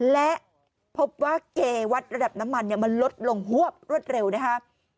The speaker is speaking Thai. และพบว่าเกวัดระดับน้ำมันมันลดลงฮวบรวดเร็วนะคะ